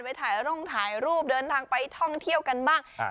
ไปถ่ายร่องถ่ายรูปเดินทางไปท่องเที่ยวกันบ้าง